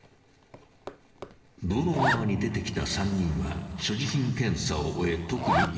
［道路側に出てきた３人は所持品検査を終え特に異常なし］